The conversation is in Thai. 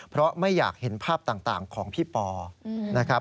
เพราะไม่อยากเห็นภาพต่างของพี่ปอนะครับ